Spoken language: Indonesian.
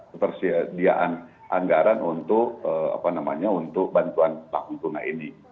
ketersediaan anggaran untuk apa namanya untuk bantuan pengguna ini